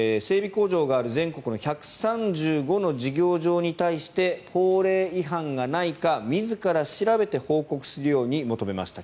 工場がある全国の１３５の事業場に対して法令違反がないか自ら調べて報告するように求めました。